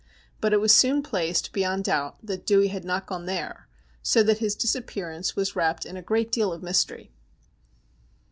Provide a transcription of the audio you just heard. But it was soon placed beyond doubt that Dewey had not gone there, so that his disappearance was wrapped in a great deal of mystery.